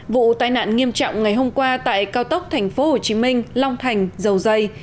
vụ tai nạn nghiêm trọng ngày hôm qua tại cao tốc tp hcm long thành dầu dây